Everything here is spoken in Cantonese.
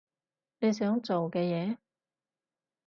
你想做嘅嘢？